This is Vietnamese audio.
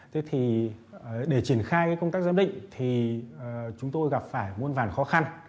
thế thì để triển khai công tác giám định thì chúng tôi gặp phải muôn vàn khó khăn